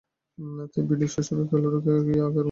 তিনিও শৈশবের খেলুড়েকে পেয়ে আগেকার মতই কথাবার্তা আরম্ভ করলেন।